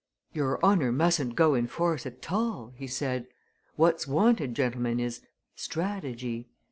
"Your honour mustn't go in force at all!" he said. "What's wanted, gentlemen, is strategy!